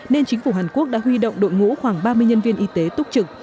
nên chính phủ hàn quốc đã huy động đội ngũ khoảng ba mươi nhân viên y tế túc trực